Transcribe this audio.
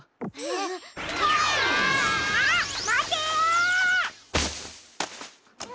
あっまて！